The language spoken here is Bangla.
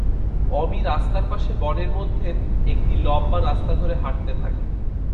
অমি রাস্তার পাশে বনের মধ্যে একটি লম্বা রাস্তা ধরে হাঁটতে থাকে।